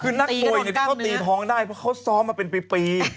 คือนักมวยที่เขาตีท้องได้เพราะเขาซ้อมมาเป็นปี